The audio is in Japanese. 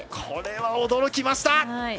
これは驚きました。